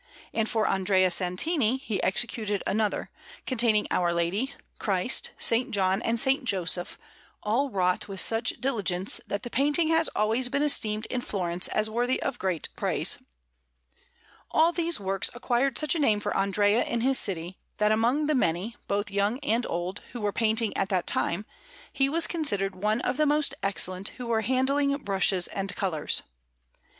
And for Andrea Santini he executed another, containing Our Lady, Christ, S. John, and S. Joseph, all wrought with such diligence that the painting has always been esteemed in Florence as worthy of great praise. All these works acquired such a name for Andrea in his city, that among the many, both young and old, who were painting at that time, he was considered one of the most excellent who were handling brushes and colours.